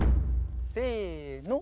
せの。